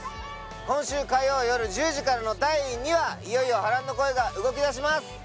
今週火曜よる１０時からの第２話いよいよ波乱の恋が動きだします